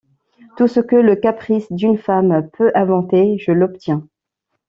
Tout ce que le caprice d’une femme peut inventer, je l’obtiens.